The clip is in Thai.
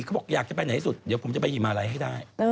เขาบอกอยากจะไปไหนสุดเดี๋ยวผมจะไปหิมาลัยให้ได้